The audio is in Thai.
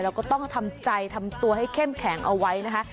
แล้วก็ต้องทำใจทำตัวให้เข้มแข็งเอาไว้นะคะ